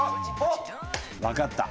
わかった。